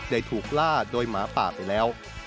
ถูกล่าโดยหมาป่าไปแล้ว